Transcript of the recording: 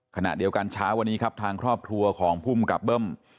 ขณะเดียวกันเช้าวันนี้ครับทางครอบครัวของภูมิกับเบิ้ม